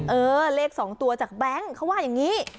เออเลข๒ตัวจากแบงค์เขาว่าอย่างนี้